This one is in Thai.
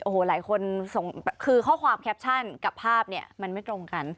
โอ้โหหลายคนส่งคือข้อความแคปชั่นกับภาพเนี่ยมันไม่ตรงกัน